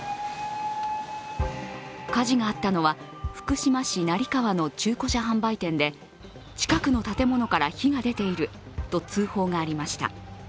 火事があったのは福島市成川の中古車販売店で近くの建物から火が出ていると通報がありました。